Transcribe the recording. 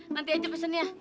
nanti aja pesannya